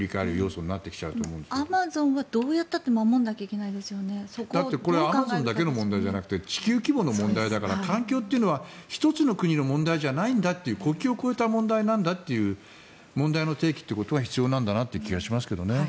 だってアマゾンだけの問題じゃなくて地球規模の問題だから環境というのは１つの国の問題じゃない国境を越えた問題なんだという問題の提起ということが必要なんだと思いますけどね。